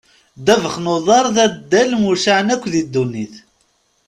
Ddabex n uḍar d addal mucaεen akk di ddunit.